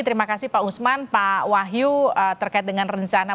terima kasih pak usman pak wahyu terkait dengan rencana